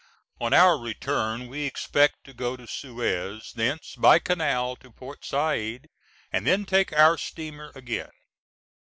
On our return we expect to go to Suez, thence by Canal to Port Said, and then take our steamer again.